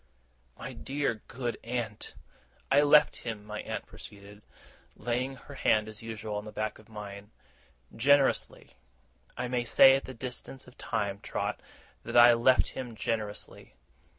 'My dear, good aunt!' 'I left him,' my aunt proceeded, laying her hand as usual on the back of mine, 'generously. I may say at this distance of time, Trot, that I left him generously.